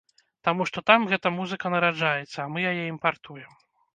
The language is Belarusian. Таму што там гэта музыка нараджаецца, а мы яе імпартуем.